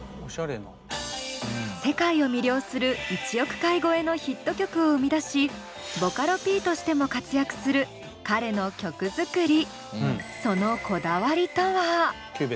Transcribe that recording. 世界を魅了する１億回超えのヒット曲を生み出しボカロＰとしても活躍する彼の曲作り。